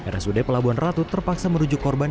rsud pelabuhan ratu terpaksa merujuk korban